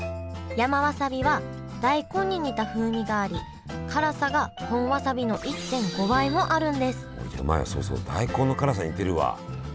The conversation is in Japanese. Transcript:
山わさびは大根に似た風味があり辛さが本わさびの１．５倍もあるんですそうそう大根の辛さに似てるわ。